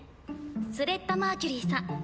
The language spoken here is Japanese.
スレッタ・マーキュリーさん。